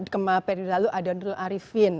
kemah perilalu adonul arifin